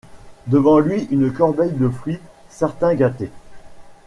Devant lui une corbeille de fruits, certains gâtés.